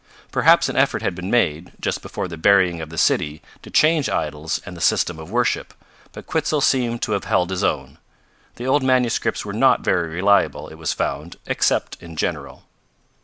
Perhaps an effort had been made, just before the burying of the city, to change idols and the system of worship, but Quitzel seemed to have held his own. The old manuscripts were not very reliable, it was found, except in general.